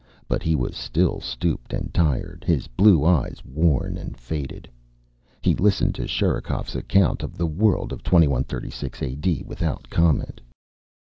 But he was still stooped and tired, his blue eyes worn and faded. He listened to Sherikov's account of the world of 2136 AD without comment.